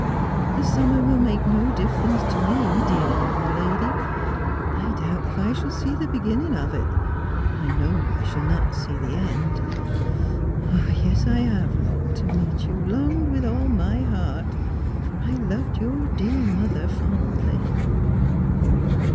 ' The summer will make no difference to me, dear young lady. I doubt if 1 shall see the beginning of it. I know I shall not see the end. Yes, I have longed to meet you, longed with all my heart, for I loved your dear mother fondly.'